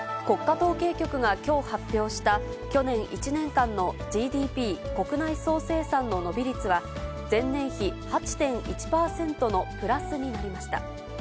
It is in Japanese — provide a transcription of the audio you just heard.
国家統計局がきょう発表した、去年１年間のＧＤＰ・国内総生産の伸び率は、前年比８．１％のプラスになりました。